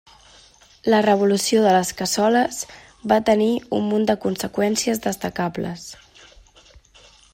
La Revolució de les Cassoles va tenir un munt de conseqüències destacables.